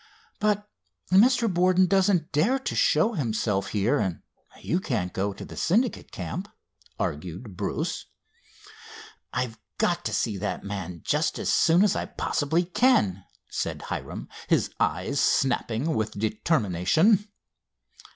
"But Mr. Borden doesn't dare to show himself here and you can't go to the Syndicate camp," argued Bruce. "I've got to see that man just as soon as I possibly can," said Hiram, his eyes snapping with determination.